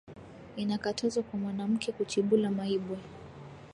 Ina katazwa kwa mwanamuke kuchibula maibwe